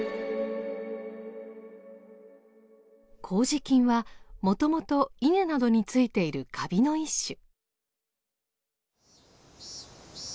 麹菌はもともと稲などについているカビの一種。